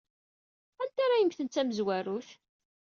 Anta ara yemmten d tamezwarut?